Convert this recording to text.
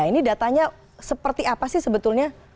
ini datanya seperti apa sih sebetulnya